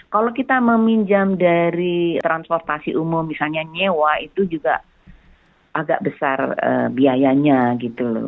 kalau kita meminjam dari transportasi umum misalnya nyewa itu juga agak besar biayanya gitu loh